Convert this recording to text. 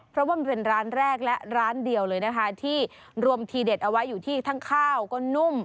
เพราะว่ามันเป็นร้านแรกและร้านเดียวเลยนะคะที่รวมทีเด็ดเอาไว้อยู่ที่ทั้งข้าวก็นุ่ม